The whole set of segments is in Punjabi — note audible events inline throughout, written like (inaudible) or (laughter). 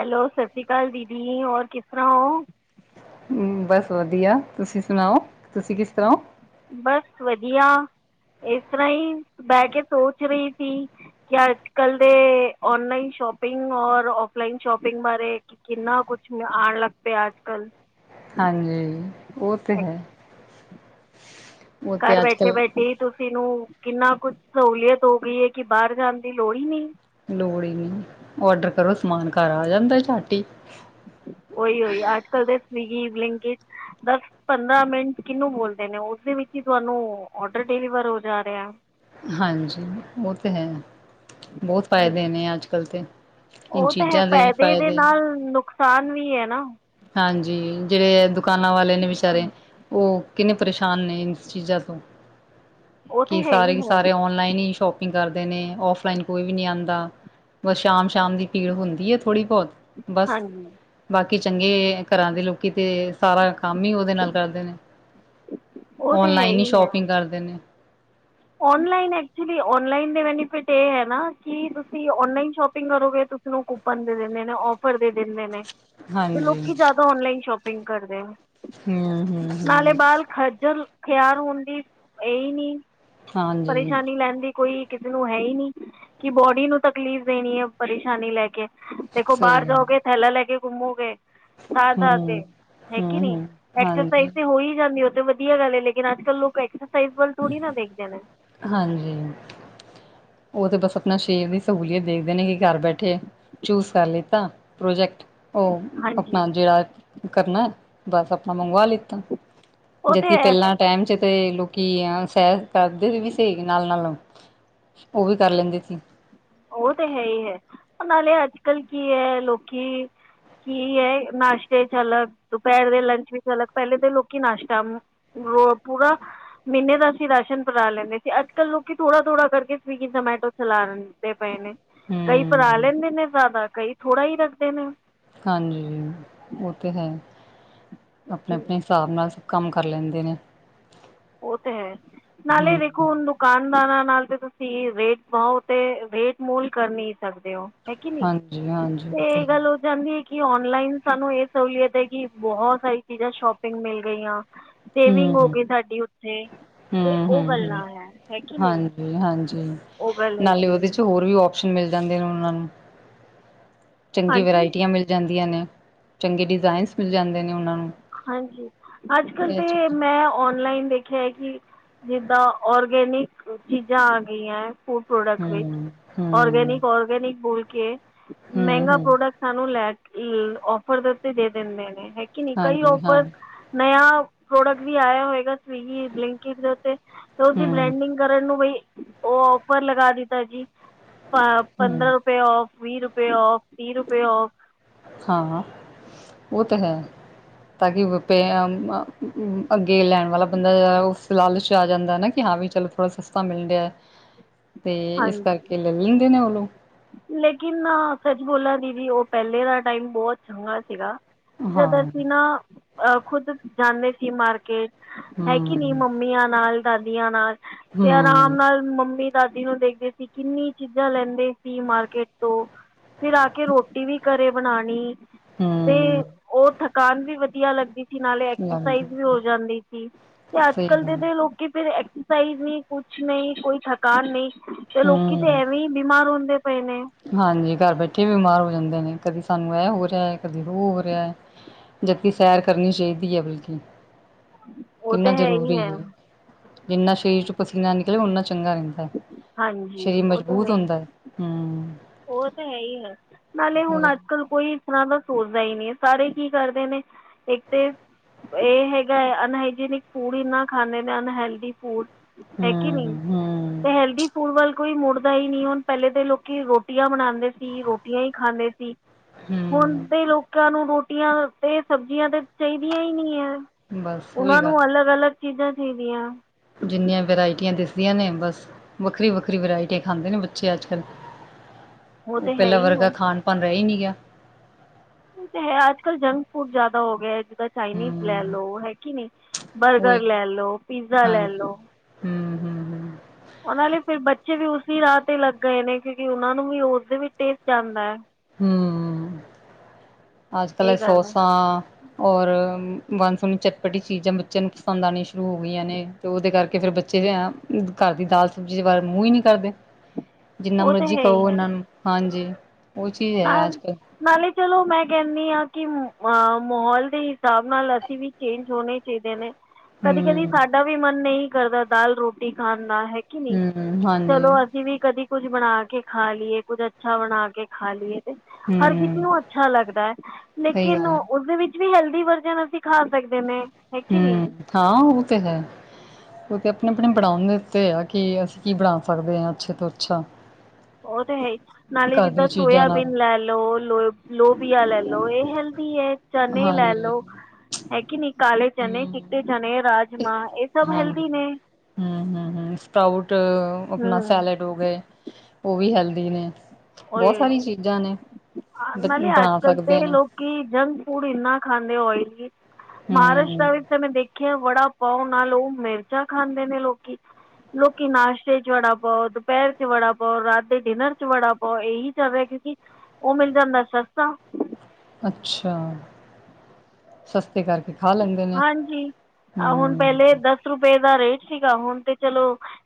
ਹੈਲੋ ਸਤਿ ਸ੍ਰੀ ਅਕਾਲ ਦੀਦੀ ਹੋਰ ਕਿਸ ਤਰ੍ਹਾਂ ਹੋ ਹੂੰ, ਬਸ ਵਧੀਆ ਤੁਸੀਂ ਸੁਣਾਓ ਤੁਸੀਂ ਕਿਸ ਤਰ੍ਹਾਂ ਹੋ? ਬਸ ਵਧੀਆ। ਇਸ ਤਰ੍ਹਾਂ ਹੀ ਬਹਿ ਕੇ ਸੋਚ ਰਹੀ ਸੀ। ਕਿ ਅੱਜ ਕੱਲ ਦੇ ਔਨਲਾਈਨ ਸ਼ੋਪਿੰਗ ਔਰ ਔਫਲਾਈਨ ਸ਼ੋਪਿੰਗ ਬਾਰੇ ਕਿੰਨਾ ਕੁਛ ਆਉਣ ਲਗ ਪਿਆ ਆਜ ਕੱਲ ਹਾਂਜੀ ਉਹ ਤੇ ਹੈ। ਉਹ ਤੇ ਘਰ ਅੱਜ ਬੈਠੇ ਕੱਲ ਬੈਠੇ ਤੁਸੀਂ ਨੂੰ ਕਿੰਨਾ ਕੁੱਛ ਸਹੂਲੀਅਤ ਹੋ ਗਈ ਹੈ ਕਿ ਬਾਹਰ ਜਾਣ ਦੀ ਲੋੜ ਹੀ ਨਹੀਂ। ਲੋੜ ਹੀ ਨਹੀ ਔਡਰ ਕਰੋ ਸਮਾਨ ਘਰ ਆ ਜਾਂਦਾ ਚਟ ਹੀ ਉਹੀ ਉਹੀ ਅੱਜ ਕੱਲ ਦੇ ਸ (unintelligible) ਦਸ ਪੰਦਰਾਂ ਮਿੰਟ ਕਿਹਨੂੰ ਬੋਲਦੇ ਨੇ ਉਸਦੇ ਵਿੱਚ ਹੀ ਤੁਹਾਨੂੰ ਔਡਰ ਵਾਰ ਹੋ ਜਾ ਰਿਹਾ ਹਾਂਜੀ ਉਹ ਤਾਂ ਹੈ ਬਹੁਤ ਹੈ। ਫਾਇਦੇ ਨੇ ਅੱਜ ਕੱਲ੍ਹ ਤੇ ਇਹ ਉਹ ਤਾਂ ਹੈ ਚੀਜ਼ਾਂ ਦੇ ਵੀ ਦੇ ਫਾਇਦੇ ਨੇ ਨਾਲ ਨੁਕਸਾਨ ਵੀ ਹੈ ਨਾ ਹਾਂਜੀ। ਜਿਹੜੇ ਦੁਕਾਨਾਂ ਵਾਲੇ ਨੇ ਵਿਚਾਰੇ ਉਹ ਕਿੰਨੇ ਪਰੇਸ਼ਾਨ ਨੇ ਇਸ ਚੀਜ਼ਾਂ ਤੋਂ ਉਹ ਤੇ ਕਿ ਹੈ ਸਾਰੇ ਹੀ ਦੇ ਹੈ ਸਾਰੇ ਔਨਲਾਈਨ ਹੀ ਸ਼ੋਪਿੰਗ ਕਰਦੇ ਨੇ ਔਫਲਾਈਨ ਕੋਈ ਵੀ ਨੀ ਆਉਂਦਾ ਬਸ ਸ਼ਾਮ ਸ਼ਾਮ ਦੀ ਪੀੜ ਹੁੰਦੀ ਹੈ। ਥੋੜੀ ਬਹੁਤ ਬਸ ਹਾਂਜੀ ਬਾਕੀ ਚੰਗੇ ਘਰਾਂ ਦੇ ਲੋਕ ਕਿਤੇ ਸਾਰਾ ਕੰਮ ਹੀ ਉਹਦੇ ਨਾਲ ਕਰਦੇ ਨੇ ਉਹ ਤੇ ਹੈ ਓਨਲਾਈਨ ਹੀ ਹੈ ਸ਼ੋਪਿੰਗ ਕਰਦੇ ਨੇ ਔਨਲਾਈਨ ਐਕਚੁਲੀ ਔਨਲਾਈਨ ਦੇ ਬੈਨੀਫਿਟ ਇਹ ਹੈ ਨਾ ਕਿ ਤੁਸੀਂ ਔਨਲਾਈਨ ਸ਼ੋਪਿੰਗ ਕਰੋਗੇ ਤੁਸੀਂ ਨੂੰ ਕੂਪਨ ਦੇ ਦਿੰਦੇ ਨੇ। ਪਰਦੇ ਦਿੰਦੇ ਨੇ ਤੇ ਹਾਂਜੀ। ਲੋਕੀ ਜ਼ਿਆਦਾ ਔਨਲਾਈਨ ਸ਼ੋਪਿੰਗ ਕਰਦੇ ਨੇ। ਹੂੰ ਹੂੰ ਨਾਲੇ ਹੂੰ। ਬਾਲ ਖੱਜਲ ਖਿਆਰ ਹੋਣ ਦੀ ਇਹਹੀ ਨਹੀ ਹਾਂਜੀ ਪਰੇਸ਼ਾਨੀ ਲੈਂਦੀ ਕੋਈ ਕਿਸੇ ਨੂੰ ਹੈ ਹੀ ਨਹੀ ਕਿ ਬੋਡੀ ਨੂੰ ਤਕਲੀਫ਼ ਦੇਣੀ ਹੈ ਪਰੇਸ਼ਾਨੀ ਲੈ ਕੇ ਦੇਖੋ ਬਾਹਰ ਸਹੀ ਗੱਲ। ਜਾਓਗੇ ਥੈਲਾ ਲੈ ਕੇ ਘੁੰਮੋਗੇ। ਥਾਂ ਥਾਂ ਤੇ ਹੂੰ ਹੂੰ ਹੈਗੀ ਨੀ ਹੂੰ। ਹਾਂਜੀ ਐਕਸਜਸਾਈਜ਼ ਤੇ ਹੋ ਹੀ ਜਾਂਦੀ। ਤੇ ਵਧੀਆਂ ਗਲ ਏ ਲੇਕਿਨ ਅੱਜ ਕੱਲ ਲੋਕ ਐਕਸਾਈਜ਼ ਵੱਲ ਥੋੜੀ ਨਾ ਦੇਖਦੇ ਨੇ ਹਾਂਜੀ ਉਹ ਤਾਂ ਬਸ ਆਪਣਾ ਸ਼ੇਰ ਦੀ ਸਹੂਲੀਅਤ ਦੇਖਦੇ ਨੇ ਕਿ ਘਰ ਬੈਠੇ ਚੂਜ ਕਰ ਲਿੱਤਾ ਪ੍ਰੋਜੈਕਟ ਉਹ ਹਾਂਜੀ ਆਪਣਾ ਜਿਹੜਾ ਕਰਨਾ ਬਸ ਆਪਣਾ ਮੰਗਵਾ ਲਿੱਤਾ ਉਹ ਜਦਕਿ ਤਾਂ ਹੈ ਪਹਿਲਾਂ ਟਾਈਮ ਚ ਤੇ ਲੋਕ ਕੀ ਆ ਸੈਰ ਕਰਦੇ ਸੀ ਵੀ ਸ ਨਾਲ ਨਾਲ ਉਹ ਵੀ ਕਰ ਲੈਂਦੇ ਸੀ ਉਹ ਤੇ ਹੈ ਹੀ ਹੈ ਨਾਲੇ ਅੱਜ ਕੱਲ ਕੀ ਹੈ ਲੋਕੀ ਕੀ ਹੈ ਨਾਸ਼ਤੇ ਚਲਗ ਦੁਪਹਿਰ ਦੇ ਲੰਚ ਵੀ ਚਲਗ ਪਹਿਲੇ ਤਾਂ ਲੋਕੀ ਨਾਸ਼ਤਾ ਪੂਰਾ ਮਹੀਨੇ ਦਾ ਅਸੀਂ ਰਾਸ਼ਨ ਕਰਾ ਲੈਂਦੇ ਸੀ ਅੱਜ ਕੱਲ੍ਹ ਲੋਕੀ ਥੋੜਾ ਥੋੜਾ ਕਰਕੇ ਸਵੀਗੀਮੈ ਚਲਾਦੇ ਪਏ ਨੇ ਕਈ ਪਰਾ ਹੂੰ ਲੈਂਦੇ ਨੇ ਜ਼ਿਆਦਾ ਕਈ ਥੋੜ੍ਹਾ ਹੀ ਰੱਖਦੇ ਨੇ ਹਾਂਜੀ ਉਹ ਤੇ ਹੈ ਆਪਣੇ-ਆਪਣੇ ਹਿਸਾਬ ਨਾਲ ਕੰਮ ਕਰ ਲੈਂਦੇ ਨੇ ਉਹ ਤਾਂ ਹੈ ਨਾਲੇ ਹਮ ਦੇਖੋ ਹੂਣ ਦੁਕਾਨਦਾਰਾਂ ਨਾਲ ਤੇ ਤੁਸੀਂ ਰੇਟ ਬਓ ਤੇ ਰੇਟ ਮੂਲ ਕਰ ਨੀ ਸਕਦੇ ਹੋ ਹੈ ਕਿ ਨੀ ਹਾਂਜੀ ਹਾਂਜੀ ਤੇ ਇਹ ਗੱਲ ਜਾਂਦੀ ਕੀ ਓਨਲਾਈਨ ਸਾਨੂੰ ਇਹ ਸਹੂਲੀਤ ਹੈ ਕਿ ਬਹੁਤ ਸਾਰੀ ਚੀਜ਼ਾਂ ਸ਼ੋਪਿੰਗ ਮਿਲ ਗਈਆਂ ਸੇਵਿੰਗ ਹੋ ਹਮ ਗਈ ਸਾਡੀ ਉੱਥੇ ਅਤੇ ਹਮ ਉਹ ਹਮ ਹ ਗੱਲਾਂ ਹੈ ਹੈ ਕਿ ਨਹੀਂ ਹਾਂਜੀ ਹਾਂਜੀ ਉਹ ਗੱਲ ਨਾਲੇ ਹੈਗੀ ਹੈ ਉਹਦੇ ਚ ਹੋਰ ਵੀ ਓਸ਼ਨ ਮਿਲ ਜਾਂਦੇ ਨੇ ਉਹਨਾਂ ਨੂੰ ਚੰਗੀ ਹਾਂਜੀ ਵਰਾਇਟੀਆਂ ਮਿਲ ਜਾਂਦੀਆਂ ਨੇ ਚੰਗੇ ਡਿਜ਼ਾਇਨਸ ਮਿਲ ਜਾਂਦੇ ਨੇ ਉਹਨਾਂ ਨੂੰ ਹਾਂਜੀ ਅੱਜ ਕਲ ਇਹ ਤੇ ਚੀਜ਼ ਮੈਂ ਓਨਲਾਈਨ ਦੇਖਿਆ ਹੈ ਕਿ ਜਿੱਦਾਂ ਔਰਗੈਨਿਕ ਚੀਜ਼ਾਂ ਆ ਗਈਆਂ ਹੈ ਫੂਡ ਪ੍ਰੋਡਕਟ ਵਿੱਚ ਹਮ ਹਮ ਔਰਗੈਨਿਕ ਔਰਗੈਨਿਕ ਬੂਲ ਹਮ ਮਹਿੰਗਾ ਹਮ ਪ੍ਰੋਡਕਟ ਸਾਨੂੰ ਲੈ ਆੱਫਰ ਦੇ ਉਤੇ ਦੇ ਦਿੰਦੇ ਨੇ ਨਹੀਂ ਕਈ ਹਾਂਜੀ ਹਾਂ ਔਫਰ ਨਯ ਪ੍ਰੋਡਕਟ ਵੀ ਆਇਆ ਹੋਏਗਾ ਸਵੀਗੀ ਬਲਿੰਕਿਟ ਤੇ ਉਸਦੀ ਹਮ ਬ੍ਰੈਂਡਿੰਗ ਕਰਨ ਨੂੰ ਬਈ ਉਹ ਔਫਰ ਲਗਾ ਦਿੱਤਾ ਜੀ ਹਮ ਪੰਦਰਾਂ ਰੁਪਏ ਔਫ ਵੀਹ ਰੁਪਏ ਔਫ ਤੀਹ ਰੁਪਏ ਔਫ ਹਾਂ ਉਹ ਤਾਂ ਹੈ। ਤਾਂ ਕਿ, ਅੱਗੇ ਲੈਣ ਵਾਲਾ ਬੰਦਾ ਉਸ ਲਾਲਚ ਆ ਜਾਂਦਾ ਨਾ ਕਿ ਵੀ ਚਲੋ ਥੋੜਾ ਸਸਤਾ ਮਿਲਦਾ (inaudible) ਤੇ ਇਸ ਹਾਂਜੀ ਕਰਕੇ ਲੈ ਲੈਂਦੇ ਨੇ, ਉਹ ਲੋਕ ਲੇਕਿਨ ਸੱਚ ਬੋਲਾਂ ਦੀਦੀ, ਉਹ ਪਹਿਲੇ ਦਾ ਟਾਈਮ ਬਹੁਤ ਚੰਗਾ ਸੀਗਾ ਹਾਂ ਜਦ ਅਸੀਂ ਨਾ ਅ ਖੁਦ ਜਾਂਦੇ ਸੀ, ਮਾਰਕੀਟ ਹੈਗੀ ਨੀ ਹੂੰ ਮੰਮੀਆਂ ਨਾਲ ਦਾਦੀਆਂ ਨਾਲ ਤੇ ਆਰਾਮ ਹੂੰ ਨਾਲ ਮੰਮੀ ਦਾਦੀ ਨੂੰ ਦੇਖਦੇ ਸੀ, ਕਿੰਨੀ ਚੀਜ਼ਾਂ ਲੈਂਦੇ ਸੀ ਮਾਰਕੀਟ ਤੋਂ ਫਿਰ ਆ ਕੇ ਰੋਟੀ ਵੀ ਘਰੇ ਬਣਾਣੀ ਤੇ ਹੂੰ ਉਹ ਥਕਾਨ ਵੀ ਵਧੀਆ ਲੱਗਦੀ। ਨਾਲੇ ਲੱਗਦਾ ਐਕਸਰਸਾਈਜ਼ ਵੀ ਹੋ ਜਾਂਦੀ ਸੀ, ਤੇ ਸਹੀ ਅੱਜ-ਕਲ ਗੱਲ ਦੇ ਲੋਕੀ ਫ ਸਹੀ ਨਹੀਂ ਕੁਛ ਨਹੀਂ ਕੋਈ ਥਕਾਨ ਨਹੀਂ, ਤੇ ਲੋਕੀ ਤੇ ਹੂੰ ਐਵੇਂ ਹੀ ਬਿਮਾਰ ਹਦੇ ਹਾਂਜੀ, ਘਰ ਬੈਠੇ ਬਿਮਾਰ ਹੋ ਜਾਂਦੇ ਨੇ ਕਦੀ ਸਾਨੂੰ ਇਹ ਹੋ ਰਿਹਾ ਹੈ, ਕਦੀ ਉਹ ਹੋ ਰਿਹਾ ਹੈ। ਜਦਕਿ ਸੈਰ ਕਰਨੀ ਚਾਹੀਦੀ ਹੈ, ਬਲਕਿ ਉਹ ਕਿੰਨਾ ਤੇ ਹੈ ਹੀ ਜ਼ਰੂਰੀ ਹੈ, ਜਿੰਨਾ ਸਰੀਰ ਚ ਪਸੀਨਾ ਨਿਕਲੇ ਨਾ ਚ ਚੰਗਾ ਰਹਿੰਦਾ ਹੈ, ਹਾਂਜੀ ਸਰੀਰ ਉਹ ਤਾਂ ਮਜ਼ਬੂਤ ਹੀ ਹੁੰਦਾ ਹੈ ਹੂੰ ਉਹ ਤਾਂ ਹੈ ਹੀ ਹੈ, ਨਾਲੇ ਹੁਣ ਹੋਰ ਅੱਜ-ਕੱਲ ਕੋਈ ਇਸ ਤਰ੍ਹਾਂ ਦਾ ਸੋਚ ਦਾ ਹੀ ਨਹੀਂ ਸਾਰੇ ਕੀ ਕਰਦੇ ਨੇ ਇੱਕ ਤੇ ਇਹ ਹੇਗਾ, ਅਨਹਾਨਿਕ ਫੂਡ ਖਾਂਦੇ ਨੇਲ ਫੂਡ ਹੈ ਕੀ ਨਹੀਂ, ਹੂੰ-ਹੂੰ, ਤੇ ਹੈਲਦੀ ਫੂਡ ਵੱਲ ਕੋਈ ਮੁੜਦਾ ਹੀ ਨਹੀਂ ਹੁਣ ਪਹਿਲੇ ਤਾਂ ਲੋਕੀ ਰੋਟੀ ਰੋਟੀਆਂ ਬਣਾਦੇ ਸੀ, ਰੋਟੀਆਂ ਹੀ ਖਾਂਦੇ ਸੀ, ਹੁਣ ਹੂੰ ਦੇ ਲੋਕ ਨੂੰ ਰੋਟੀਆਂ ਤੇ ਸਬਜ਼ੀਆਂ ਤੇ ਚਾਹੀਦੀਆਂ ਹੀ ਨੀ ਹੈ, ਬਸ ਉਹੀ ਉਹਨਾਂ ਨੂੰ ਗੱਲ ਅਲੱਗ-ਅਲੱਗ ਸਿੱਧਾਂ ਸੀਦੀਆਂ ਜਿੰਨੀਆਂ ਵੈਰਾਇਟੀਆਂ ਦਿਸਦੀਆਂ, ਨੇ ਬਸ ਵੱਖਰੀ-ਵੱਖਰੀ ਵਰਾਇਟ ਖਾਂਦੇ ਨੇ ਬੱਚੇ ਅੱਜ-ਕੱਲ (inaudible) ਉਹ ਤਾਂ ਹੈ ਪਹਿਲਾਂ ਹੀ ਹੈ ਵਰਗਾ ਖਾਣ-ਪਾਣ ਰਹਿ ਨੀ ਗਿਆ। ਉਹ ਤਾਂ ਹੈ, ਅੱਜ-ਕੱਲ ਜੰਕ ਫੂਡ ਜ਼ਿਆਦਾ ਹੋ ਗਿਆ। ਚਾਈਨੀਜ਼ ਹੂੰ ਲੈਲੋ ਹੈਗੀ ਨੀ, ਬਰਗਰ ਉਹੀ ਲੈ ਲੋ ਪੀਜ਼ਾ ਹਾਂਜੀ ਲੈਲੋ ਹੂੰ-ਹੂੰ-ਹੂੰ, ਉਹਨਾਂ ਲਈ ਫਿਰ ਬੱਚੇ ਵੀ ਉਸਸੀ ਰਾਹ ਤੇ ਲੱਗ ਗਏ, ਨੇ ਕਿਉਂਕਿ ਉਹਨਾ ਨੂੰ ਵੀ ਉਸਦੇ ਵਿੱਚ ਟੈਸਟ ਜਾਂਦਾ ਹੈ। ਹੂੰ, ਅੱਜ-ਕੱਲ ਇਹ ਗੱਲ ਹੈ ਸੌਸਾ ਔਰ ਵੰ ਸੋਣੀ ਚਟਪਟੀ ਚੀਜ਼ਾਂ ਬੱਚਿਆਂ ਨੂੰ ਪਸੰਦ ਆਣੀ ਸ਼ੁਰੂ ਹੋ ਗਈਆਂ, ਨੇ ਤੇ ਉਹਦੇ ਕਰਕੇ ਫੇਰ ਬੱਚੇ ਘਰ ਦੀ ਦਾਲ ਸਬਜ਼ੀ ਦੇ ਬਾਰੇ ਮੂੰਹ ਹੀ ਨੀ ਕਰਦੇ ਜਿੰਨਾ ਉਹ ਤਾਂ ਮਰਜ਼ੀ ਕਰੋ, ਇਹਨਾਂ ਨੂੰ ਹਾਂਜੀ। ਉਹ ਚੀਜ਼ ਹੈ ਅੱਜ-ਕੱਲ ਨਾਲ-ਨਾਲੇ ਚਲੋ ਮੈਂ, ਕਹਿੰਦੀ ਹਾਂ, ਕਿ ਅਹ ਮਾਹੌਲ ਦੇ ਹਿਸਾਬ ਨਾਲ ਅਸੀਂ ਵੀ ਚੇਂਜ ਹੋਣੇ ਚਾਹੀਦੇ ਨੇ। ਕਦੀ-ਕਦੀ ਹੂੰ ਸਾਡਾ ਵੀ ਮਨ ਨਹੀਂ ਕਰਦਾ, ਦਾਲ ਰੋਟੀ ਖਾਣ ਹੈਗੀ ਨੀ ਹੂੰ ਹਾਂਜੀ ਚਲੋ, ਅਸੀਂ ਵੀ ਕਦੀ ਕੁੱਝ ਬਣਾ ਕੇ ਖਾ ਲਈਏ ਕੁੱਝ ਅੱਛਾ ਬਣਾ ਕੇ ਖਾ ਲਈਏ ਤੇ ਹਰ ਕਿਸੇ ਹੂੰ ਨੂੰ ਅੱਛਾ ਲੱਗਦਾ ਹੈ, ਸਹੀ ਲੇਕਿਨ ਗੱਲ ਹੈ ਉਸਦੇ ਵਿੱਚ ਵੀ ਹੈਲਦੀ ਵਰਜਨ ਅਸੀਂ ਖਾ ਸਕਦੇ ਨੇ, ਹੈ ਕਿ ਨਹੀਂ ਹੂੰ, ਹਾਂ ਉਹ ਤੇ ਹੈ। ਉਹ ਤਾਂ ਆਪਣੇ ਆਪਣੇ ਬਣਾਣ ਦੇ ਉੱਤੇ ਆ, ਕਿ ਅਸੀਂ ਕੀ ਬਣਾ ਸਕਦੇ ਹਾਂ ਅੱਛੇ ਤੋਂ ਅੱਛਾ। ਉਹ ਤੇ ਹੈ ਹੀ ਨਾਲੇ ਘਰ ਜਿੱਦਾਂ ਦੀਆਂ ਚੀਜ਼ਾਂ ਨਾਲ ਸੋਇਆਬੀਨ ਲੈ ਲਓ, ਲੋ ਲੋਬੀਆ ਲੈ ਲੋ ਇਹ ਹੈਲਦੀ ਹੈ। ਚਨੇ ਹੀ ਲੈ ਹਾਂਜੀ ਲਓ, ਹੈਗੀ ਨੀ ਕਾਲੇ ਚਨ, ਚਿੱਟੇ ਚਣੇ, ਰਾਜਮਾ, ਇਹ ਸਭ ਹੈਲਦੀ ਨੇ ਹੂੰ-ਹੂੰ-ਹੂੰ, ਸਕਾਊਟ ਆਪਣਾ ਹੂੰ ਸੈਲਡ ਹੋ ਗਏ, ਉਹ ਵੀ ਹੈਲਦੀ ਨੇ ਬਹੁਤ ਓਏ ਸਾਰੀ ਚੀਜ਼ਾਂ ਨੇ, ਬ ਨਾਲੇ ਬਣਾ ਅੱਜ-ਕੱਲ ਸਕਦੇ ਤੇ ਨੇ ਲੋਕੀ ਜੰਕ ਫੂਡ ਇੰਨਾ ਖਾਂਦੇ ਹੋਏਗੇ। ਮਹਾਰਾਸ਼ਟ ਹੂੰ ਵਿੱਚ ਤਾਂ ਮੈਂ ਦੇਖਿਆ ਵੜਾ ਪਾਓ, ਨਾਲ ਉਹ ਮਿਰਚਾਂ ਖਾਂਦੇ ਨੇ ਲੋਕੀ। ਲੋਕੀ ਨਾਸ਼ਤੇ ਚ ਵੜਾ ਪਾਓ ਦੁਪਹਿਰ ਚ ਵੜਾ ਪਾਓ ਰਾਤ ਦੇ ਡਿਨਰ ਚ ਵੜਾ ਪਾ ਉਹ ਇਹੀ ਚੱਲ ਰਿਹਾ ਕਿਉਂਕਿ ਉਹ ਮਿਲ ਜਾਂਦਾ ਸਸਤਾ ਅੱਛਾ ਸਸਤੇ ਕਰਕੇ ਖਾ ਲੈਂਦੇ ਨੇ ਹਾਂਜੀ ਹੁਣ ਪਹਿਲੇ ਹੂੰ ਦਸ ਰੁਪਏ ਦਾ ਰੇਟ ਸੀਗਾ ਹੁਣ ਤੇ ਚਲੋ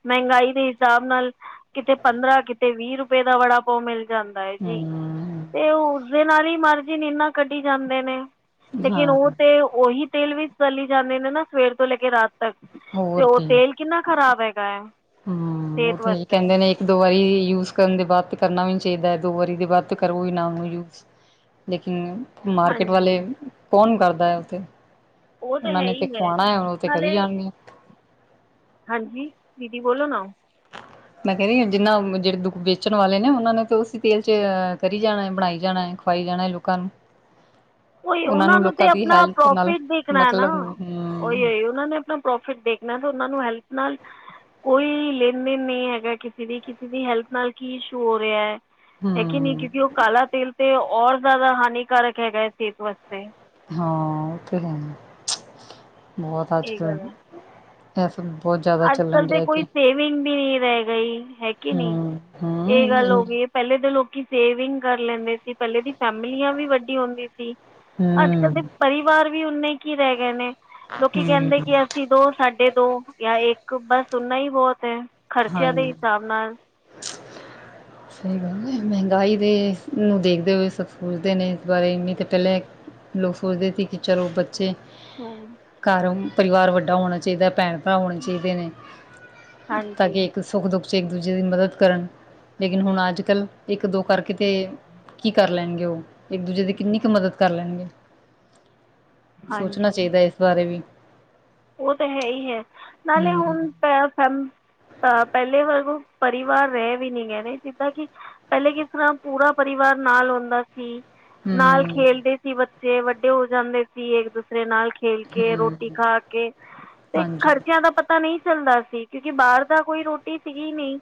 ਮਹਿੰਗਾਈ ਦੇ ਹਿਸਾਬ ਨਾਲ ਕਿਤੇ ਪੰਦਰਾਂ ਕਿਤੇ ਵੀਹ ਰੁਪਏ ਦਾ ਵੜਾ ਮਿਲ ਜਾਂਦਾ ਹੈ ਜੀ ਹੂੰ ਤੇ ਉਸਦੇ ਨਾਲ ਹੀ ਮਾਰਜਿਨ ਇਨਾ ਕੱਢ ਜਾਂਦੇ ਨੇ ਲੇਕਿਨ ਹਾਂ ਉਹ ਤੇ ਉਹੀ ਤੇਲ ਵੀ ਚਲੀ ਜਾਂਦੇ ਨੇ ਨਾ ਸਵੇਰ ਤੋਂ ਲੈ ਕੇ ਰਾਤ ਤ ਤੇ ਉਹ ਤੇਲ ਕਿੰਨਾ ਖ਼ਰਾਬ ਹੈਗਾ ਹੈ ਹਮ ਸਿਹਤ ਉਥੇ ਹੀ ਵਾਸਤੇ ਕਹਿੰਦੇ ਨੇ ਇੱਕ ਦੋ ਵਾਰੀ ਯੂਜ ਕਰਨ ਦੇ ਬਾਅਦ ਤਾਂ ਕਰਨਾ ਵੀ ਨ ਚਾਹੀਦਾ ਹੈ ਦੋ ਵਾਰੀ ਦੇ ਬਾਅਦ ਤਾਂ ਕਰੋ ਵੀ ਨਾਨ ਨੂੰ ਯੂਜ ਲੇਕਿਨ ਮਾਰਕੀਟ ਵਾਲੇ ਹਾਂਜੀ ਕੌਣ ਕਰਦਾ ਹੈ ਉੱਥੇ ਉਹ ਤਾਂ ਇਹਨਾਂ ਹੈ ਨੇ ਹੀ ਤੇ ਖਵਾਣਾ ਹੈ ਹੁਣ ਤੇ ਕਰੀ ਨਾਲੇ ਜਾਣਣੀ ਆ ਹਾਂਜੀ ਦੀਦੀ ਬੋਲੋ ਨਾਓ ਮੈਂ ਕਹਿ ਰਹੀ ਜਿੰਨਾ ਜਿਹੜੇ ਦੁੱਖ ਵੇਚਣ ਵਾਲੇ ਨੇ ਉਹਨਾਂ ਨੇ ਤੇ ਅਸੀ ਤੇਲ ਚ ਕਰੀ ਜਾਣਾ ਬਣਾਈ ਜਾਣਾ ਖਵਾਈ ਜਾਣਾ ਲੋਕਾਂ ਨੂੰ ਉ ਉਹਨਾਂ ਉਹਨਾ ਨੂੰ ਤੇ ਲੋਕਾਂ ਦੀ ਆਪਣਾ ਹੈਲਥ ਨਾਲ ਪ੍ਰੋਫਿਟ ਦੇਖਣਾ ਹੈ ਨਾ ਮਤਲਬ ਹੂੰ ਉਹੀ ਉਹੀ ਉਹਨਾਂ ਨੇ ਆਪਣਾ ਪ੍ਰੋਫਿਟ ਦੇਖਣਾ ਤੇ ਉਹਨਾਂ ਨੂੰ ਹੈਲਪ ਨਾਲ ਕੋਈ ਲੇਣ ਦੇਣ ਨਹੀਂ ਹੈਗਾ ਕਿਸੇ ਦੀ ਕਿਸੇ ਦੀ ਹੈਲਥ ਨਾਲ ਕੀ ਇਸ਼ੂ ਹੋ ਰਿਹਾ ਹੈ ਹੈਗੀ ਨਹੀਂੀ ਹੂੰ ਕਿਉਂਕਿ ਉਹ ਕਾਲਾ ਤੇਲ ਤੇ ਔਰ ਜ਼ਿਆਦਾ ਹਾਨੀਕਾਰਕ ਹੈਗਾ ਹੈ ਸਿਹਤ ਵਾਸਤੇ ਹਾਂ ਉਹ ਤੇ ਲੈਣਾ ਬਹੁਤ ਅੱਜ ਇਹ ਗੱਲ ਹੈ ਕੱਲ੍ਹ ਅੱਜ ਕਲ ਤੇ ਕੋਈ ਸੇਵਿੰਗ ਵੀ ਨਹੀਂੀ ਰਹਿ ਗਈ ਹੈਗੀ ਨਹੀਂੀ ਹੂੰ ਇਹ ਗੱਲ ਹੋ ਹੂੰ ਗਈ ਹੈ ਪਹਿਲੇ ਦੇ ਲੋਕ ਕਿ ਸੇਵਿੰਗ ਕਰ ਲੈਂਦੇ ਸੀ, ਪਹਿਲੇ ਦੀ ਫੈਮਲੀਆਂ ਵੀ ਵੱਡੀ ਹੁੰਦੀ ਸੀ। ਅੱਜ ਕੱਲ ਦੇ ਹੂੰ ਪਰਿਵਾਰ ਵੀ ਓਨੇ ਕੀ ਰਹਿ ਗਏ ਨੇ ਲੋਕੀ ਹੂੰ ਕਹਿੰਦੇ ਕਿ ਅਸੀਂ ਦੋ ਸਾਡੇ ਦੋ ਜਾਂ ਇੱਕ ਬਸ ਓਨਾ ਹੀ ਬਹੁਤ ਹੈ ਖ਼ਰਚਿਆਂ ਦੇ ਹਾਂਜੀ ਹਿਸਾਬ ਨਾਲ ਸਹੀ ਗੱਲ ਹੈ ਮਹਿੰਗਾਈ ਦੇ ਨੂੰ ਦੇਖਦੇ ਹੋਏ ਸਭ ਸੋਚਦੇ ਨੇ ਇਸ ਬਾਰੇ ਇਨੀ ਤੇ ਪਹਿਲਾਂ ਲੋਕ ਸੋਚਦੇ ਸੀ ਕਿ ਚਲੋ ਬੱਚੇ ਹੂੰ ਘਰ ਪਰਿਵਾਰ ਵੱਡਾ ਹੋਣਾ ਚਾਹੀਦਾ ਭੈਣ ਭਰਾ ਹੋਣੇ ਚਾਹੀਦੇ ਨੇ ਤਾਂ ਹਾਂਜੀ ਕਿ ਇੱਕ ਸੁੱਖ ਦੁੱਖ ਇੱਕ ਦੂਜੇ ਦੀ ਮਦਦ ਕਰਨ ਲੇਕਿਨ ਹੁਣ ਅੱਜ ਕੱਲ੍ਹ ਇੱਕ ਦੋ ਕਰਕੇ ਤੇ ਕੀ ਕਰ ਲੈਣਗੇ ਉਹ ਇੱਕ ਦੂਜੇ ਦੀ ਕਿੰਨੀ ਕੁ ਮਦਦ ਕਰ ਲੈਣਗੇ (inaudible) ਸੋਚਣਾ ਹਾਂਜੀ ਚਾਹੀਦਾ ਇਸ ਬਾਰੇ ਵੀ ਉਹ ਤਾਂ ਹੈ ਹੀ ਹੈ ਨਾਲੇ ਹੂੰ ਹੁਣ ਪੇ ਫੇਮ ਤਾਂ ਪਹਿਲੇ ਵਰਗੁ ਪਰਿਵਾਰ ਰਹੇ ਵੀ ਨੀ ਗਏ ਨੇ ਜਿੱਦਾਂ ਕਿ ਪਹਿਲੇ ਕਿਸ ਤਰ੍ਹਾਂ ਪੂਰਾ ਪਰਿਵਾਰ ਨਾਲ ਆਉਂਦਾ ਸੀ ਨਾਲ ਹੂੰ ਖੇਲਦੇ ਸੀ ਬੱਚੇ ਵੱਡੇ ਹੋ ਜਾਂਦੇ ਸੀ ਇੱਕ ਦੂਸਰੇ ਨਾਲ ਖੇਲ ਕੇ ਰੋਟੀ ਹੂੰ ਖਾ ਕੇ ਤੇ ਹਾਂਜੀ ਖ਼ਰਚਿਆਂ ਦਾ ਪਤਾ ਨਹੀਂ ਚੱਲਦਾ ਸੀ ਕਿਉਂਕਿ ਬਾਹਰ ਦਾ ਕੋਈ ਰੋਟੀ ਸੀਗੀ ਨਹੀਂ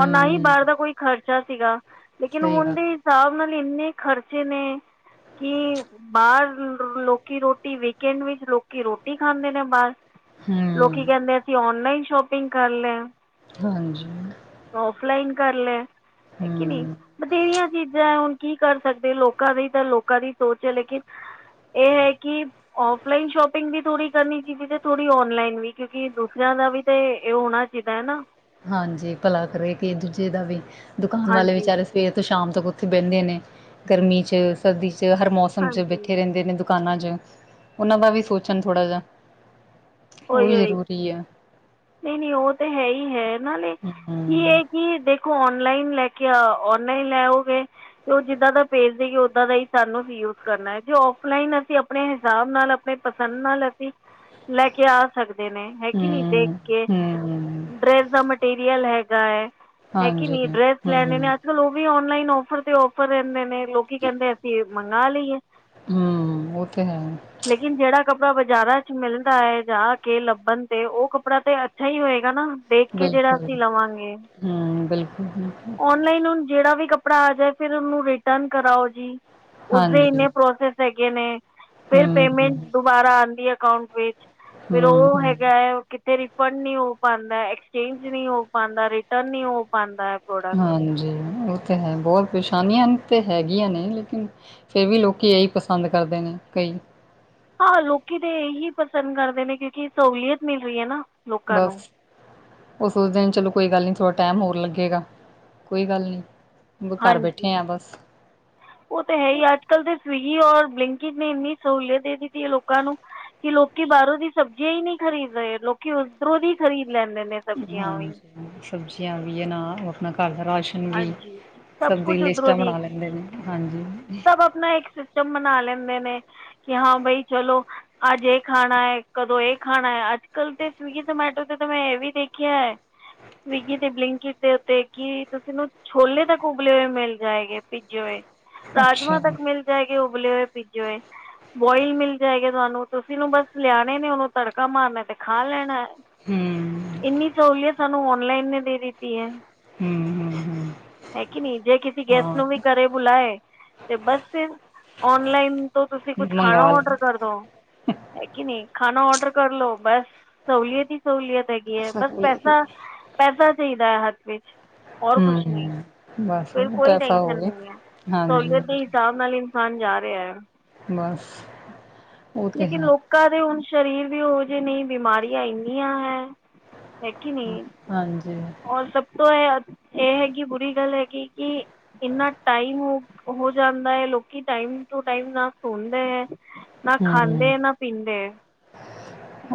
ਔਰ ਨਾ ਹੀ ਬਾਹਰ ਦਾ ਕੋਈ ਖਰਚ ਖਰਚਾ ਸੀਗਾ ਲੇਕਿਨ ਸਹੀ ਹੁਣ ਗੱਲ ਦੇ ਹਿਸਾਬ ਨਾਲ ਇੰਨੇ ਖ਼ਰਚੇ ਨੇ ਕਿ ਬਾਹਰ ਲੋਕੀ ਰੋਟੀ ਵੀਕਐਂਡ ਵਿੱਚ ਲੋਕੀ ਰੋਟੀ ਖਾਂਦੇ ਨੇ ਮੇ ਮਣ ਲੋਕੀ ਹੂੰ ਕਹਿੰਦੇ ਅਸੀਂ ਔਨਲਾਈਨ ਸ਼ੋਪਿੰਗ ਕਰ ਲਏ ਹਾਂਜੀ ਕਰ ਲੈ ਹੈ ਕਿ ਨੀ ਹੂੰ, ਬਥੇਰੀਆਂ ਚੀਜ਼ਾਂ ਹੁਣ ਕੀ ਕਰ ਸਕਦੇ ਲੋਕਾਂ ਦੀ ਤਾਂ ਲੋਕਾਂ ਦੀ ਸੋਚ ਹੈ ਲੇਕਿਨ ਇਹ ਹੈ ਕਿ ਆਵਲਾਈਨ ਸ਼ੋਪਿੰਗ ਵੀ ਥੋੜ੍ਹੀ ਕਰਨੀ ਜੀ ਵੀ ਤੇ ਥੋੜੀ ਔਨਲਾਈਨ ਵੀ ਕਿਉਕਿ ਦੂਸਰਿਆਂ ਦਾ ਵੀ ਤੇ ਇਹ ਹੋਣਾ ਚਾਹੀਦਾ ਹਨਾ ਹਾਂਜੀ ਭਲਾ ਕਰੇ ਕਿ ਦੂਜੇ ਦਾ ਵੀ ਦੁਕਾਨ ਵਾਲੇ ਹਾਂਜੀ ਵਿਚਾਰੇ ਸਵੇਰੇ ਤੋਂ ਸ਼ਾਮ ਉੱਥੇ ਬਹਿੰਦੇ ਨੇ ਗਰਮੀ ਚ ਸਰਦੀ ਚ ਹਰ ਮੌਸਮ ਚ ਹਾਂਜੀ ਬੈਠੇ ਰਹਿੰਦੇ ਨੇ ਦੁਕਾਨਾਂ ਚ ਉਹਨਾਂ ਦਾ ਵੀ ਸੋਚਣ ਥੋੜਾ ਜਿਹਾ ਉਹ ਉਹੀ ਵੀ ਉਹੀ ਜ਼ਰੂਰੀ ਆ। ਨਹੀਂ ਨਹੀਂ ਉਹ ਤੇ ਹੈ ਹੀ ਹੈ ਉਹਨਾ ਲਈ ਕੀ ਹੂੰ, ਇਹ ਕਿ ਦੇਖੋ ਔਨਲਾਈਨ ਲੈ ਕੇ ਔਨਲਾਈਨ ਲੈਓਗੇ ਤੇ ਉਹ ਜਿੱਦਾਂ ਦਾ ਭੇਜ ਦੇਗੀ ਉਦਾਂ ਦਾ ਹੀ ਸਾਨੂੰ ਵੀ ਯੂਜ ਕਰਨਾ ਹੈ ਜੇ ਆਫ਼ ਆਫਲਾਈਨ ਅਸੀਂ ਆਪਣੇ ਹਿਸਾਬ ਨਾਲ ਆਪਣੇ ਪਸੰਦ ਨਾਲ ਅਸੀਂ ਲੈ ਕੇ ਕੇ ਆ ਸਕਦੇ ਨੇ ਹੈ ਕਿ ਨਹੀਂ ਦੇਖ ਹੂੰ, ਕੇ ਹੂੰ, ਡਰੈਸ ਦਾ ਮਟੀਰੀਅਲ ਹੈਗਾ ਹੈ। ਹੈ ਕਿ ਹਾਂਜੀ, ਨੀ ਡਰੈਸ ਲੈਣੇ ਨੇ ਹੂੰ। ਅੱਜ ਕੱਲ ਉਹ ਵੀ ਔਨਲਾਈਨ ਔਫਰ ਤੇ ਔਫਰ ਰਹਿੰਦੇ ਨੇ। ਲੋਕੀ ਕਹਿੰਦੇ ਅਸੀਂ ਮੰਗਾ ਲਈਏ ਹੂੰ, ਉਹ ਤੇ ਹੈ ਲੇਕਿਨ ਜਿਹੜਾ ਕੱਪ ਕੱਪੜਾ ਬਾਜ਼ਾਰਾਂ ਚ ਮਿਲਦਾ ਹੈ ਜਾ ਕੇ ਲੱਭਣ ਤੇ ਉਹ ਕੱਪੜਾ ਤੇ ਅੱਛਾ ਹੀ ਹੋਏਗਾ ਨਾ। ਦੇਖ ਕੇ ਜਿਹੜਾ ਬਿਲਕੁਲ, ਅਸੀਂ ਲਵਾਂਗੇ। ਹੂੰ, ਬਿਲਕੁਲ। ਔਨਲਾਈਨ ਹੁਣ ਜਿਹੜਾ ਵੀ ਕੱਪੜਾ ਆ ਜਾਏ ਫਿਰ ਉਹਨੂੰ ਰਿਟਰਨ ਕਰਾਓ ਜੀ। ਉਸਦੇ ਹਾਂਜੀ, ਇੰਨੇ ਪ੍ਰੋਸੈਸ ਹੈਗੇ ਨੇ ਫਿਰ ਹੂੰ, ਹੂੰ, ਪੇਮੈਂਟ ਦੁਬਾਰਾ ਆਉਂਦੀ ਹੈ ਅਕਾਂਟ ਵਿੱਚ। ਫਿਰ ਹੂੰ, ਉਹ ਹੂੰ। ਹੈਗਾ ਹੈ ਕਿਥੇ ਵੀ ਰਿਫੰਡ ਨਹੀਂ ਹੋ ਪਾਉਂਦਾ, ਐਕਸਚੇਂਜ ਨਹੀਂ ਹੋ ਪਾਉਂਦਾ, ਰਿਟਰਨ ਨਹੀਂ ਹੋ ਪਾਉਂਦਾ। ਪ੍ਰੋਡਕਟ ਹਾਂਜੀ, ਉਹ ਤੇ ਹੈ ਬਹੁਤ ਪਰੇਸ਼ਾਨੀਆਂ ਤਾਂ ਹੈਗੀਆਂ ਨੇ ਲੇਕਿਨ ਫਿਰ ਵੀ ਲੋਕ ਇਹੀ ਪਸੰਦ ਕਰਦੇ ਨੇ ਕਈ ਹਾਂ, ਲੋਕੀ ਤੇ ਇਹੀ ਪਸੰਦ ਕਰਦੇ ਨੇ ਕਿਉਂਕਿ ਸਹੂਲੀਅਤ ਮਿਲ ਰਹੀ ਹੈਨਾ। ਬਸ ਉਹ ਸੋਚਦੇ ਨੇ ਚਲੋ ਕੋਈ ਗੱਲ ਨੀ ਥੋੜਾ ਟਾਈਮ ਹੋਰ ਲੱਗੇਗਾ ਕੋਈ ਗੱਲ ਨੀ ਘਰ ਹਾਂਜੀ ਬੈਠੇ ਆ ਬਸ। ਉਹ ਤਾਂ ਹੈ ਹੀ ਅੱਜ-ਕੱਲ ਦੇ ਸਵਿਗੀ ਔਰ ਬਲਿੰਕਿਟ ਨੇ ਇੰਨੀ ਸਹੂਲੀਅਤ ਦੇ ਦਿੱਤੀ ਹੈ ਲੋਕਾਂ ਨੂੰ। ਕਿ ਲੋਕੀ ਬਾਹਰੋਂ ਦੀ ਸਬਜ਼ੀਆਂ ਹੀ ਨਹੀਂ ਖਰੀਦ ਰਹੇ ਲੋਕੀ ਉੱਧਰੋਂ ਦੀ ਖਰੀਦ ਲੈਂਦੇ ਨੇ ਸਬਜ਼ੀਆਂ ਵੀ ਹਾਂਜੀ, ਸਬਜ਼ੀਆਂ ਵੀ ਆ ਨਾ ਔਰ ਘਰ ਦਾ ਰਾਸ਼ਨ ਵੀ ਹਾਂਜੀ ਸਭ ਸਬ ਦੀ ਕੁਝ ਉੱਧਰੋਂ ਲਿਸਟਾਂ ਦੀ ਬਣਾ ਲੈਂਦੇ ਨੇ, ਹਾਂਜੀ। ਸਭ ਆਪਣਾ ਇੱਕ ਸਿਸਟਮ ਮਨਾ ਲੈਂਦੇ ਨੇ ਕਿ ਹਾਂ ਬਈ ਚਲੋ ਅੱਜ ਇਹ ਖਾਣਾ ਹੈ ਕਦੋਂ ਇਹ ਖਾਣਾ ਹੈ ਅੱਜ ਅਜ-ਕਲ ਤੇ ਸਵਿਗੀ, ਜ਼ਮੈਟੋ ਤੇ ਤੈਂ ਮੈ ਇਹ ਵੀ ਦੇਖਿਆ ਹੈ। ਸਵੀਗੀ ਦੇ ਬਲਿੰਕਟ ਦੇ ਉੱਤੇ ਕੀ ਤੁਸੀਂ ਨੂੰ ਛੋਲੇ ਤ ਉਬਲੇ ਹੋਏ ਮਿਲ ਜਾਏਗੇ ਭੀਜੇ ਹੋਏ। ਅੱਛਾ ਰਾਜਮਾਂ ਹਮ ਤੱਕ ਮਿਲ ਜਾਏਗੇ ਉਬਲੇ ਹੋਏ ਪੀਜੇ ਹੋਏ। ਬੋਇਲ ਮਿਲ ਜਾਏਗਾ ਤੁਹਾਨੂੰ ਤੁਸੀਂ ਨੂੰ ਬਸ ਲਿਆਣੇ ਨੇ ਉਹਨੂੰ ਤੜਕਾ ਮਾਰਨਾ ਤੇ ਖਾ ਲੈਣਾ। ਇੰਨੀ ਸਹੂਲੀਅਤ ਸਾਨੂੰ ਔਨਲਾਈਨ ਨੇ ਦੇ ਦਿੱਤੀ ਹੈ। ਹਮ ਹਮ ਹਮ ਹੈ ਕਿ ਨੀ ਜੇ ਕਿਸੀ ਗੈਸਟ ਹਾਂ ਨੂੰ ਵੀ ਘਰੇ ਬੁਲਾਏ। ਤੇ ਬਸ ਫਿਰ, ਆਨਲਾਈਨ ਤੋਂ ਤੁਸੀਂ ਕੁਛ ਖਾਣਾ ਮੰਗਾ ਲ ਆਰਡਰ ਕਰਦੋ ਹੈ ਕਿ ਨਹੀਂ। ਖਾਣਾ ਆਰਡਰ ਕਰਲੋ ਬਸ ਸਹੂਲੀਅਤ ਹੀ ਸਹੂਲੀਅਤ। ਹੈਗੀ ਹੈ, ਬਸ ਪੈਸਾ-ਪੈਸਾ ਚਾਹੀਦਾ ਹੈ ਹੱਥ ਵਿੱਚ। ਹੋਰ ਕੁਛ ਨਹੀਂ ਹਮ ਬਸ ਫਿਰ ਕੋਈ ਪੈਸਾ ਟੈਂਸ਼ਨ ਹੋਵੇ ਨਹੀਂ ਹੈ। ਸਹੂਲੀਅਤ ਹਾਂਜੀ ਦੇ ਹਿਸਾਬ ਨਾਲ ਇਨਸਾਨ ਜਾ ਰਿਹਾ ਹੈ। ਬਸ ਉਹ ਤੇ ਲੇਕਿਨ ਹੈ ਲੋਕਾਂ ਦੇ ਹੁਣ ਸ਼ਰੀਰ ਵੀ ਓਹੋ ਜਿਹੇ ਨਹੀਂ ਬਿਮਾਰੀਆਂ ਇੰਨੀਆਂ ਹੈ। ਹੈ ਕਿ ਨਹੀਂ ਹਾਂਜੀ ਹੋਰ ਸਭ ਤੋਂ ਇਹ, ਇਹ ਹੈਗੀ ਬੁਰੀ ਗੱਲ ਹੈਗੀ ਕਿ ਇੰਨਾ ਟਾਈਮ ਹੋ-ਹੋ ਜਾਂਦਾ ਹੈ ਲੋਕੀ ਟਾਈਮ ਟੂ ਟਾਈਮ ਨਾ ਸੌਂਦੇ ਐ ਨਾ ਹਮ ਖਾਂਦੇ ਨਾ ਪੀਂਦੇ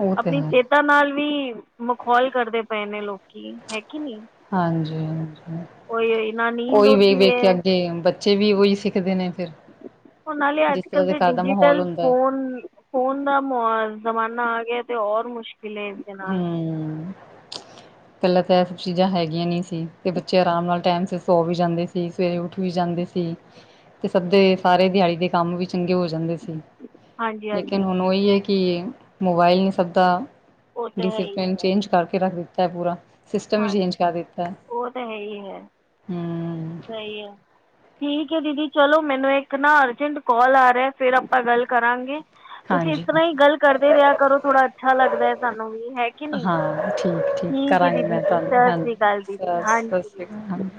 ਉਹ ਤੇ ਆਪਣੀ ਹੈ ਸੇਹਤਾ ਨਾਲ ਵੀ ਮਖੌਲ ਕਰਦੇ ਪਏ ਨੇ ਲੋਕੀ, ਹੈ ਕਿ ਨਹੀਂ। ਹਾਂਜੀ-ਹਾਂਜੀ, ਓਏ ਹੋਏ ਨਾ ਨੀਂਦ ਉਹੀ ਆਉਂਦੀ ਵੇਖ-ਵੇਖ ਕੇ ਹੈ ਅੱਗੇ ਬੱਚੇ ਵੀ ਉਹੀ ਸਿੱਖਦੇ ਨੇ। ਫਿਰ ਉਹ ਨਾਲੇ ਜਿਸ ਤਰ੍ਹਾਂ ਅੱਜ-ਕੱਲ ਦੇ ਘਰ ਦਾ ਮਾਹੌਲ ਡਿਜੀਟਲ ਹੁੰਦਾ ਹੈ ਫੋਨ-ਫੋਨ ਦਾ ਜ਼ਮਾਨਾ ਆ ਗਿਆ ਤੇ ਹੋਰ ਮੁਸ਼ਕਿਲ ਏ ਇੰਦੇ ਨਾਲ। ਪਹਲਾ ਤਾਂ ਇਹ ਸਭ ਚੀਜ਼ਾਂ ਹੈਗੀਆਂ ਨਹੀ ਸੀ, ਤੇ ਬੱਚੇ ਆਰਾਮ ਨਾਲ ਟਾਈਮ ਸਰ ਸੋ ਵੀ ਜਾਂਦੇ ਸੀ। ਸਵੇਰੇ ਉੱਠ ਵੀ ਜਾਂਦੇ ਸੀ, ਤੇ ਸਬਦੇ ਸਾਰੇ ਦਿਹਾੜੀ ਦੇ ਕੰਮ ਵੀ ਚੰਗੇ ਹੋ ਜਾਂਦੇ ਸੀ। ਹਾਂਜੀ ਲੇਕਿਨ ਹਾਂਜੀ ਹੁਣ ਉਹੀ ਏ ਕਿ ਮੋਬਾਇਲ ਹੀ ਸਭਦਾ ਉਹ ਤਾਂ ਹੈ ਹੀ ਡੀਸਿਪਲੀਨ ਹੈ ਚੇਂਜ ਕਰਕੇ ਰੱਖ ਦਿੱਤਾ ਹੈ ਪੂਰਾ। ਸਿਸਟਮ ਵੀ ਚੇਂਜ ਹਾਂਜੀ ਕਰ ਦਿੱਤਾ, ਉਹ ਤਾਂ ਹੈ ਹੀ ਹੈ ਹੂੰ । ਸਹੀ ਹੈ ਠੀਕ ਹੈ, ਦੀਦੀ ਚਲੋ, ਮੈਨੂੰ ਇੱਕ ਨਾ ਅਰਜੈਂਟ ਕੋਲ ਆ ਰਿਹਾ ਫਿਰ ਆਪਾਂ ਗੱਲ ਕਰਾਂਗੇ। ਤੁਸੀਂ ਇਸ ਹਾਂਜੀ ਤਰ੍ਹਾਂ ਹਾਂਜੀ। ਹੀ ਗੱਲ ਕਰਦੇ ਰਿਹਾ ਕਰੋ ਥੋੜਾ ਅੱਛਾ ਲੱਗਦਾ ਹੈ ਸਾਨੂੰ ਵੀ ਹੈ ਕਿ ਨਹੀਂ। ਹਾਂ ਠੀਕ- ਠੀਕ ਹੈ ਕਰਾਂਗੀ ਦੀਦੀ ਮੈਂ ਜੀ ਤੁਹਾਨੂੰ ਸਤਿ ਸ਼੍ਰੀ ਹਾਂਜੀ ਅਕਾਲ ਦੀਦੀ ਸ ਸਤਿ ਹਾਂਜੀ ਸ਼੍ਰੀ ਦੀਦੀ ਅਕਾਲ।